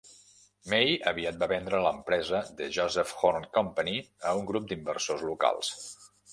May aviat va vendre l"empresa The Joseph Horne Company a un grup d"inversors locals.